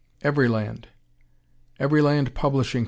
Everyland Everyland Publishing Co.